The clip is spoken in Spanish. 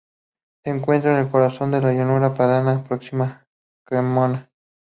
Se encuentra en el corazón de la Llanura padana, próxima a Cremona.